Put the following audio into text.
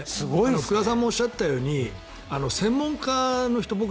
福田さんもおっしゃってたように専門家の人僕、